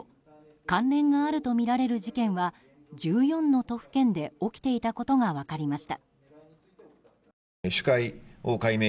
関連があるとみられる事件は１４の都府県で起きていたことが分かりました。